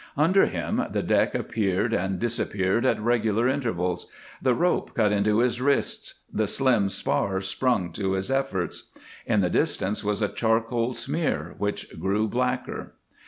Under him the deck appeared and disappeared at regular intervals, the rope cut into his wrists, the slim spar sprung to his efforts. In the distance was a charcoal smear which grew blacker.